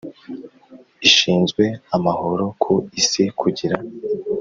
ishinzwe amahoro ku isi kugira